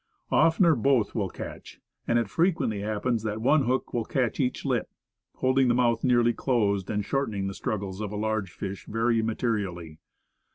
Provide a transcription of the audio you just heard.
Oftener both will catch, and it frequently happens that one hook will catch each lip, holding the mouth nearly closed, and shortening the struggles of a large fish very materially.